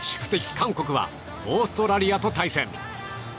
韓国はオーストラリアと対戦。